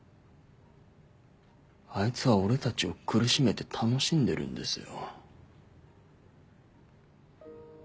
あいつは俺たちを苦しめて楽しんでるんですよ。